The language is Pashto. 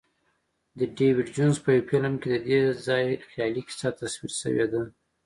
د ډیویډ جونز په یوه فلم کې ددې ځای خیالي کیسه تصویر شوې ده.